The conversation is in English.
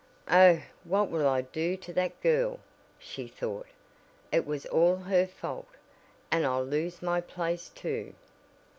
"Oh, what will I do to that girl!" she thought. "It was all her fault, and I'll lose my place too."